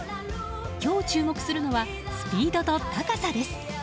今日注目するのはスピードと高さです。